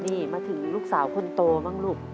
นี่มาถึงลูกสาวคนโตบ้างลูก